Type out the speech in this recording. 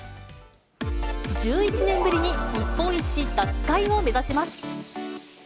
１１年ぶりに日本一奪回を目指します。